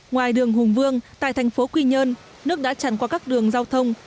ngoài đường hùng vương tại thành phố quy nhơn nước đã tràn qua các đường giao thông